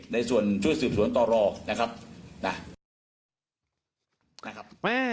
ในส่วนช่วยสืบสวนตรนะครับนะครับ